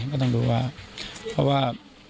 ก็ต้องดูว่าเพราะว่า